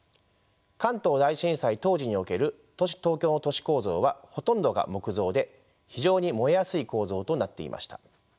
関東大震災当時における東京の都市構造はほとんどが木造で非常に燃えやすい構造となっていました。